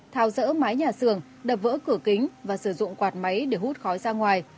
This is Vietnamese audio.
thao dỡ mái nhà xưởng đập vỡ cửa kính và sử dụng quạt máy để hút khói ra ngoài